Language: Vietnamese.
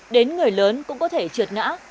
đến người lớn cũng có thể trượt ngã